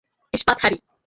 ইস্পাত, হ্যারি।